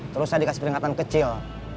terus saya dikasih peringatan kecil